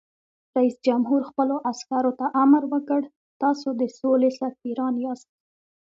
رئیس جمهور خپلو عسکرو ته امر وکړ؛ تاسو د سولې سفیران یاست!